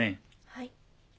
はい。